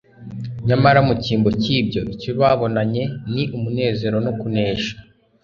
Nyamara mu cyimbo cy'ibyo, icyo bababonanye ni umunezero no kunesha.